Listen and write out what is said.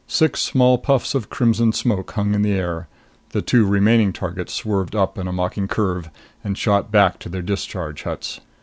Six small puffs of crimson smoke hung in the air. The two remaining targets swerved up in a mocking curve and shot back to their discharge huts.